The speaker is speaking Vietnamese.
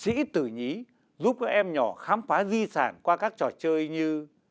trung tâm còn tổ chức chương trình sĩ tử nhí giúp các em nhỏ khám phá di sản qua các trò chơi như